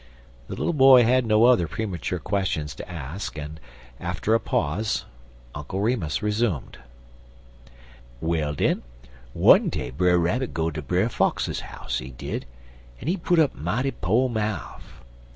The little boy had no other premature questions to ask, and, after a pause, Uncle Remus resumed: "Well, den, one day Brer Rabbit go ter Brer Fox house, he did, en he put up mighty po' mouf.